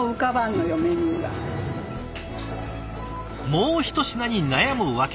もう一品に悩む訳。